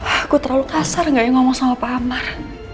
aku terlalu kasar gak yang ngomong sama pak ambar